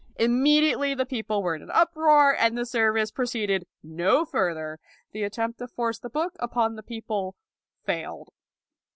Immediately the people were in an uproar and the service proceeded no further. The attempt to force the book upon the people failed.